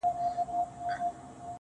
o نن شپه د ټول كور چوكيداره يمه.